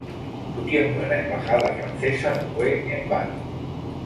Su tiempo en la embajada francesa no fue en vano.